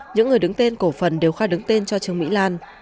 những người đứng tên cổ phần đều khai đứng tên cho trương mỹ lan